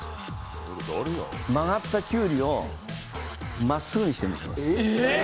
曲がったキュウリをまっすぐにして見せます。